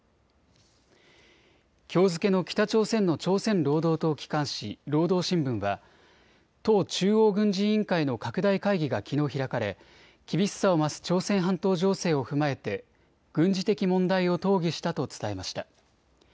きょう付けの北朝鮮の朝鮮労働党機関紙、労働新聞は党中央軍事委員会の拡大会議がきのう開かれ厳しさを増す朝鮮半島情勢を踏まえて軍事的問題を討議したと伝えました。